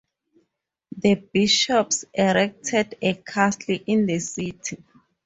The bishops erected a castle in the city.